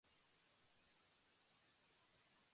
バスは大通りを進んでいた